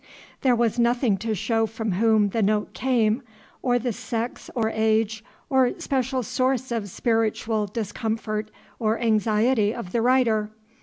There was nothing to show from whom the note came, or the sex or age or special source of spiritual discomfort or anxiety of the writer.